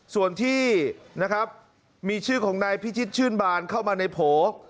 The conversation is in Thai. ส่วนที่นะครับมีชื่อของนายพิชิตชื่นบานเข้ามาในโผล่